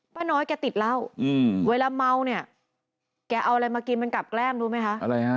ป้าน้อยแกติดเหล้าอืมเวลาเมาเนี่ยแกเอาอะไรมากินมันกลับแกล้มรู้ไหมคะ